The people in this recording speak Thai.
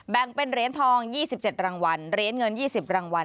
แบ่งเป็นเหรียญทอง๒๗รางวัลเหรียญเงิน๒๐รางวัล